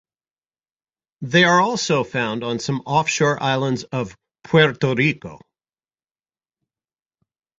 They are also found on some offshore islands of Puerto Rico.